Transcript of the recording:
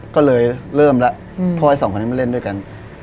ก็เลยเริ่มแล้วเพราะไอ้สองคนนี้มาเล่นด้วยกัน